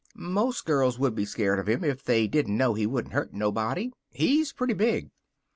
"Most girls would be scared of him if they didn't know he wouldn't hurt nobody. He's pretty big."